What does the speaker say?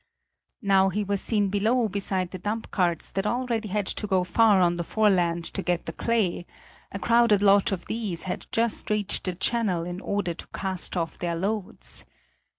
Now he was seen below beside the dump carts that already had to go far on the foreland to get the clay; a crowded lot of these had just reached the channel in order to cast off their loads.